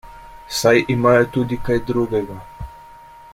Saj imajo tudi kaj drugega.